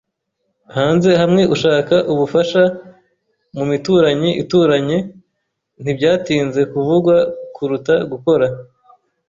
hanze hamwe ushake ubufasha mumituranyi ituranye. Ntibyatinze kuvugwa kuruta gukora.